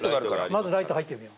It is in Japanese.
まずライト入ってみよう。